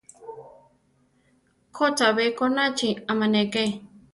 Ko, chabé konachi amáneke.